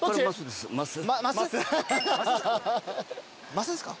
マスですか？